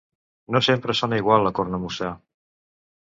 No sempre sona igual la cornamusa.